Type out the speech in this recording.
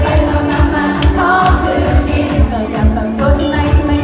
ก็หลับไปไปนั้นหลับไปไปนั้น